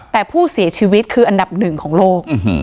แต่ผู้เสียชีวิตคืออันดับหนึ่งของโลก